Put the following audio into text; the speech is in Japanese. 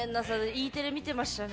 Ｅテレ見てましたね